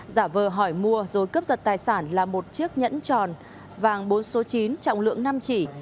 giả vờ hỏi mua rồi cướp giật tài sản là một chiếc nhẫn tròn vàng bốn số chín trọng lượng năm chỉ